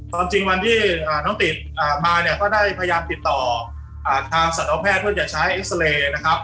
จริงวันที่น้องติดมาเนี่ยก็ได้พยายามติดต่อทางสัตวแพทย์เพื่อจะใช้เอ็กซาเรย์นะครับ